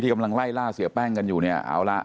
กำลังไล่ล่าเสียแป้งกันอยู่เนี่ยเอาละ